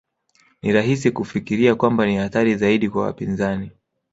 Ni rahisi kufikiria kwamba ni hatari zaidi kwa wapinzani